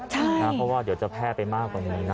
เพราะว่าเดี๋ยวจะแพร่ไปมากกว่านี้นะ